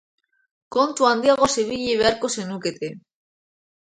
Kontu handiagoz ibili beharko zenukete.